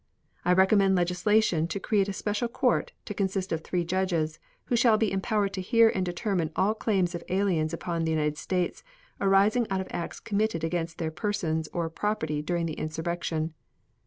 I recommend legislation to create a special court, to consist of three judges, who shall be empowered to hear and determine all claims of aliens upon the United States arising out of acts committed against their persons or property during the insurrection.